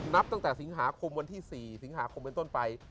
นับตั้งแต่สิงหาคมวันที่๔สิงหาคมเป็นต้นไป